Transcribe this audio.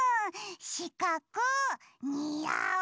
しかくにあう。